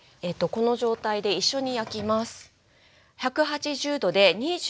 この状態で一緒に焼きます。